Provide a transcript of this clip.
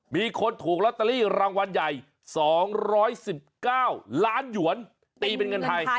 มีคนถูกลอตเตอรี่รางวัลใหญ่๒๑๙ล้านหยวนตีเป็นเงินไทย